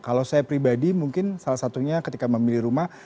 kalau saya pribadi mungkin salah satunya ketika memilih rumah